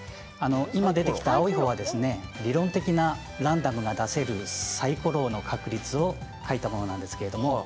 今、出てきた青い方は理論上のランダムが出せるサイコロの確率を書いたものです。